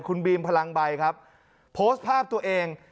คุณบีมพลังใบครับโพสต์ภาพตัวเอง